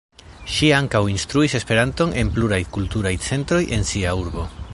Ŝi ankaŭ instruis esperanton en pluraj kulturaj centroj en sia urbo.